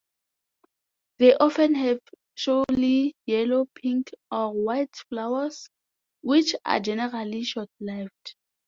They often have showy yellow, pink or white flowers, which are generally short-lived.